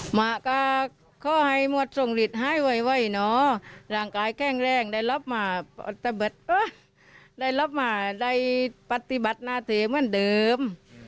หมาก็ขอให้มวดสงฤทธิ์ไห้ไวเนาะร่างกายแข้งแรงได้รับมาปฏิบัตินาเทศเหมือนเดิม